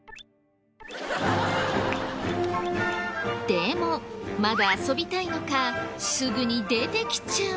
でもまだ遊びたいのかすぐに出てきちゃう。